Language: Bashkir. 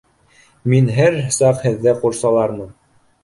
Мин һәр саҡ һеҙҙе ҡурсалармын.